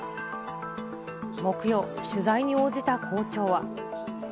木曜、取材に応じた校長は。